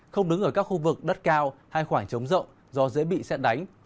không đứng ở các khu vực đất cao hay khoảng trống rộng do dễ bị xét đánh